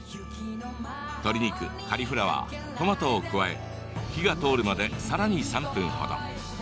鶏肉、カリフラワートマトを加え火が通るまで、さらに３分程。